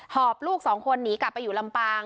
อบลูกสองคนหนีกลับไปอยู่ลำปาง